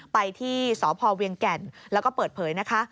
ไปที่สพเวียงแก่นแล้วก็เปิดเผยนะคะ